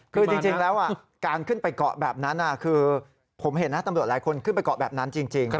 คือจริงแล้วการขึ้นไปเกาะแบบนั้นคือผมเห็นนะตำรวจหลายคนขึ้นไปเกาะแบบนั้นจริง